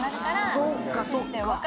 そうかそうか！